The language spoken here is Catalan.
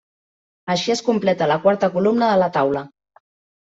Així es completa la quarta columna de la taula.